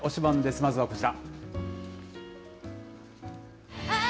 まずはこちら。